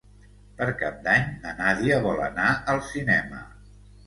Per Cap d'Any na Nàdia vol anar al cinema.